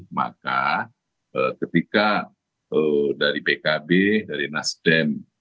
maka ketika dari pkb dari nasdem